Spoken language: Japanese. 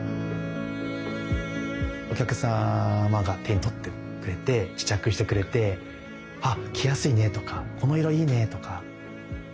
お客様が手に取ってくれて試着してくれて「あ着やすいね」とか「この色いいね」とか。